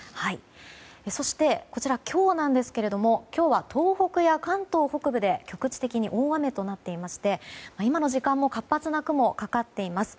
そして、今日ですが今日は東北や関東北部で局地的に大雨となっていまして今の時間も活発な雲がかかっています。